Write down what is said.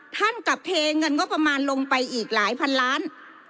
ท่านกลับเทเงินงบประมาณลงไปอีกหลายพันล้าน